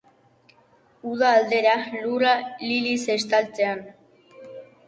Uda aldera lurra liliz estaltzean.